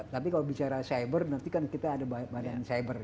tapi kalau bicara cyber nanti kan kita ada badan cyber